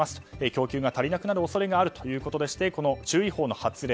供給が足りなくなる恐れがあるということでしてこの注意報の発令